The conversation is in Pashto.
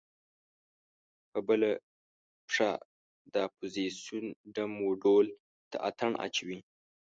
په بله پښه د اپوزیسون ډم و ډول ته اتڼ اچوي.